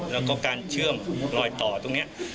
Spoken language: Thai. แล้วก็การเชื่อมลอยต่อตรงนี้